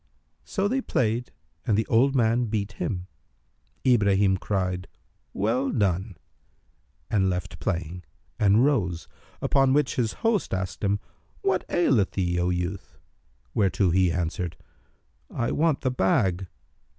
So they played and the old man beat him. Ibrahim cried, "Well done!" and left playing and rose: upon which his host asked him, "What aileth thee, O youth?" whereto he answered, "I want the bag."